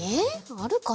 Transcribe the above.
あるかな？